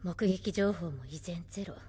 情報も依然ゼロ。